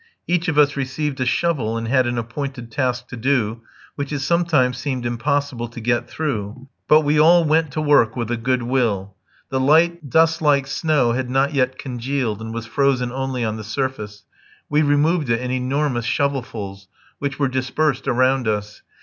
Each of us received a shovel and had an appointed task to do, which it sometimes seemed impossible to get through. But we all went to work with a good will. The light dust like snow had not yet congealed, and was frozen only on the surface. We removed it in enormous shovelfuls, which were dispersed around us.